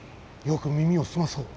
よく耳をすまそう。